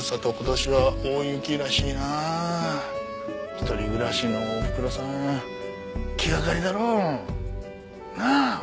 一人暮らしのおふくろさん気掛かりだろう。なあ？